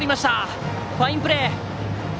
ファインプレー！